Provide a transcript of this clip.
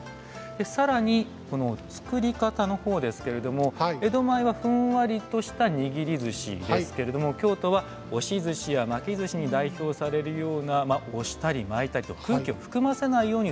更にこの作り方のほうですけれども江戸前はふんわりとした握りずしですけれども京都は押しずしや巻きずしに代表されるような押したり巻いたりと空気を含ませないようにする。